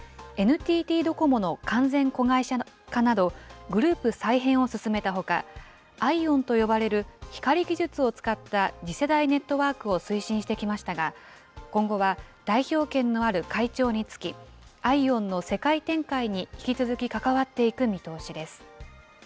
ＮＴＴドコモの完全子会社化など、グループ再編を進めたほか、ＩＯＷＮと呼ばれる光技術を使った次世代ネットワークを推進してきましたが、今後は代表権のある会長に就き、ＩＯＷＮの世界展開に引き続き関わっていく見通しです。